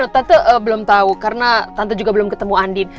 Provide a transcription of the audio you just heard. tante belum tahu karena tante juga belum ketemu andin